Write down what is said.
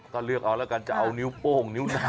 ก็เลือกเอาแล้วกันจะเอานิ้วโป้งนิ้วนาง